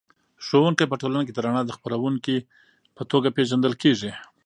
ښوونکی په ټولنه کې د رڼا د خپروونکي په توګه پېژندل کېږي.